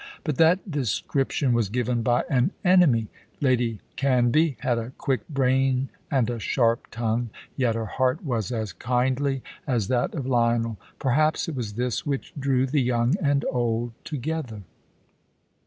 But that description was given by an enemy. Lady Canvey had a quick brain and a sharp tongue, yet her heart was as kindly as that of Lionel. Perhaps it was this which drew the young and old together.